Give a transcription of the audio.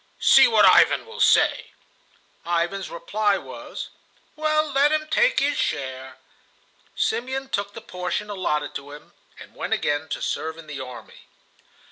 "See what Ivan will say." Ivan's reply was: "Well, let him take his share." Simeon took the portion allotted to him, and went again to serve in the army.